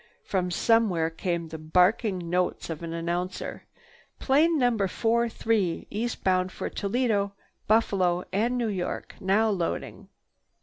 From somewhere came the barking notes of an announcer: "Plane No. 43 eastbound for Toledo, Buffalo and New York, now loading."